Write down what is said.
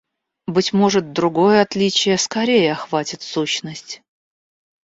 Быть может, другое отличие скорее охватит сущность.